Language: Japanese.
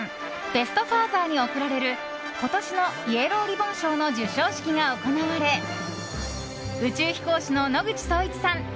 ベスト・ファーザーに贈られる今年のイエローリボン賞の授賞式が行われ宇宙飛行士の野口聡一さん